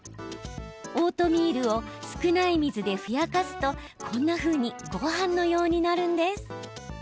オートミールを少ない水でふやかすと、こんなふうにごはんのようになるんです。